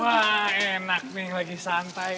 wah enak nih lagi santai